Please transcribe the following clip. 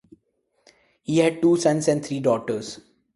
He had two sons and three daughters.